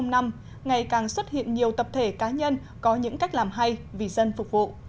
ngày càng xuất hiện nhiều tập thể cá nhân có những cách làm hay vì dân phục vụ